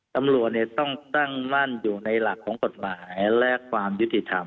ตำรวจต้องตั้งมั่นอยู่ในหลักของกฎหมายและความยุติธรรม